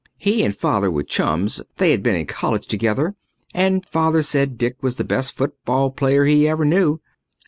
He and Father were chums; they had been in college together and Father said Dick was the best football player he ever knew.